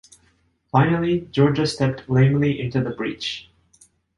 Finally Georgia stepped lamely into the breach.